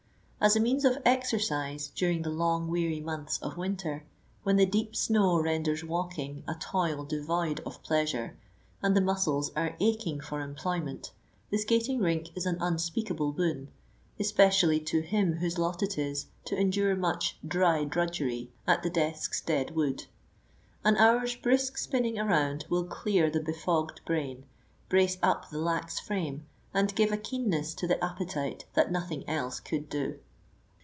As a means of exercise during the long, weary months of winter, when the deep snow renders walking a toil devoid of pleasure, and the muscles are aching for employment, the skating rink is an unspeakable boon, especially to him whose lot it is to endure much "dry drudgery at the desk's dead wood." An hour's brisk spinning around will clear the befogged brain, brace up the lax frame, and give a keenness to the appetite that nothing else could do.